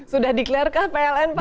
sudah diklarkah pln pak